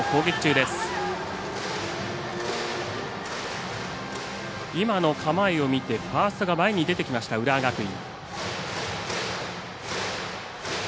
バントの構えを見てファーストが前に出てきた浦和学院。